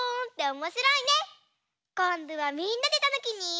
こんどはみんなでたぬきに。